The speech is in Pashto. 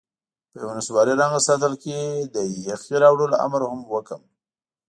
په یوه نسواري رنګه سطل کې د یخې راوړلو امر هم وکړم.